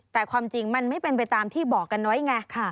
แต่ความจริงมันไม่เป็นไปตามที่บอกกันไว้ไง